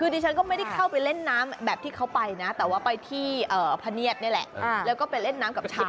ดิฉันก็ไม่ได้เข้าไปเล่นน้ำ